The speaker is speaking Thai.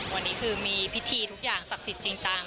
วันนี้คือมีพิธีทุกอย่างศักดิ์สิทธิ์จริงจัง